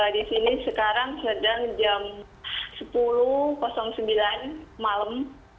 di sini sekarang sedang jam sepuluh sembilan malam